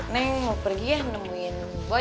neng mau pergi ya nemuin